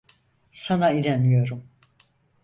Sana inanıyorum.